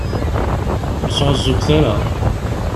Ur sεuẓẓuget ara.